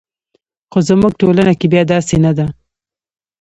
خو زموږ ټولنه کې بیا داسې نه ده.